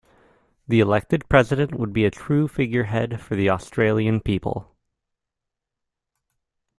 The elected President would be a true figurehead for the Australian people.